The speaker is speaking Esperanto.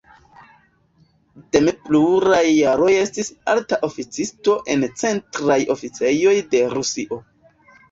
Dm pluraj jaroj estis alta oficisto en centraj oficejoj de Rusio.